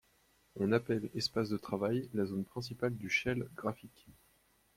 On appelle espace de travail la zone principale du shell graphique.